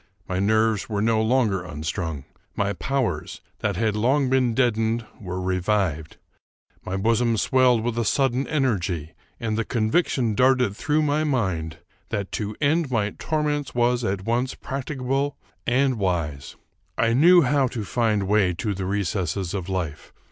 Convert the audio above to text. My nerves were no longer unstrung. My powers, that had long been deadened, were revived. My bosom swelled with a sudden energy, and the conviction darted through my 281 American Mystery Stories mind, that to end my torments was, at once, practicable and wise. I knew how to find way to the recesses of life.